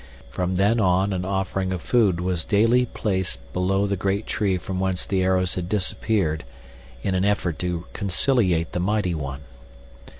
From then on an offering of food was daily placed below the great tree from whence the arrows had disappeared in an effort to conciliate the mighty one.